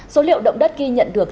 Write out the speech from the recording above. số liệu động đất ghi nhận được